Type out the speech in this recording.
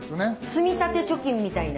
積み立て貯金みたいな？